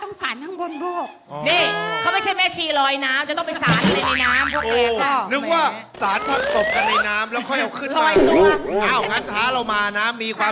นี่เขาไม่ใช่แม่ชีล้อยน้ำ